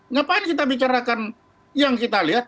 ngapain kita bicarakan yang kita lihat